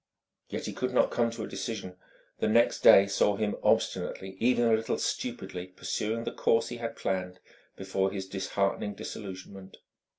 Yet he could not come to a decision; the next day saw him obstinately, even a little stupidly, pursuing the course he had planned before his disheartening disillusionment.